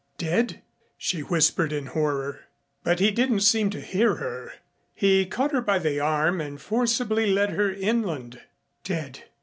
"Dead?" she whispered in horror. But he didn't seem to hear her. He caught her by the arm and forcibly led her inland. "Dead!"